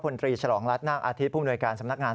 ตรีฉลองรัฐนาคอาทิตย์ผู้มนวยการสำนักงาน